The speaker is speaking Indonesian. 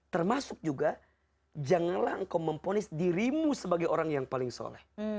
termasuk juga janganlah engkau memponis dirimu sebagai orang yang paling soleh